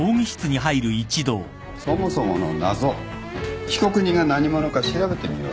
そもそもの謎被告人が何者か調べてみよう。